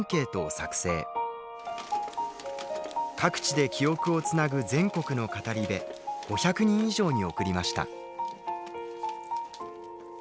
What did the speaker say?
各地で記憶をつなぐ全国の語り部５００人以上に送りました。